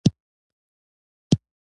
پوليس بهر را ووتل.